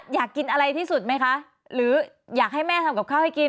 อยากกินอะไรที่สุดไหมคะหรืออยากให้แม่ทำกับข้าวให้กิน